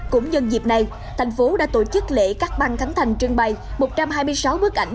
cũng nhân dịp này tp hcm đã tổ chức lễ các băng khánh thành trưng bay một trăm hai mươi sáu bức ảnh